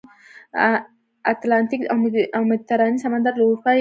اتلانتیک او مدیترانې سمندر له اروپا یې بېلوي.